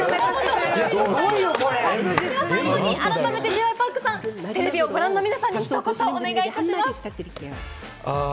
最後に改めてＪ．Ｙ．Ｐａｒｋさん、テレビをご覧の皆さんにひと言お願いします。